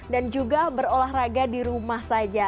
dan juga berolahraga di rumah saja